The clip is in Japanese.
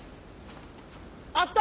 あった！